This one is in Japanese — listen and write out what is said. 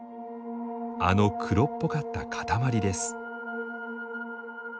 あの黒っぽかった塊です。